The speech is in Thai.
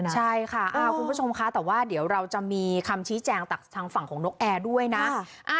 ใช่ค่ะคุณผู้ชมคะแต่ว่าเดี๋ยวเราจะมีคำชี้แจงจากทางฝั่งของนกแอร์ด้วยนะ